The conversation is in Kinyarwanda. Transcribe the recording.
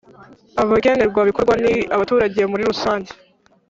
Abagenerwa bikorwa ni abaturage muri rusange